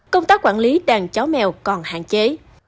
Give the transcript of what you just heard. công tác quản lý đàn chó mèo còn hạn chế